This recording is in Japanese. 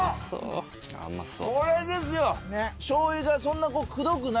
これですよ！